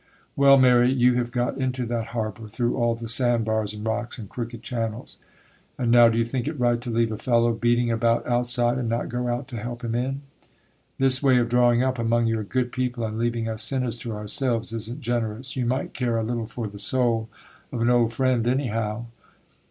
'Well, Mary, you have got into that harbour, through all the sandbars and rocks and crooked channels; and now do you think it right to leave a fellow beating about outside, and not go out to help him in? This way of drawing up, among your good people, and leaving us sinners to ourselves, isn't generous. You might care a little for the soul of an old friend, anyhow!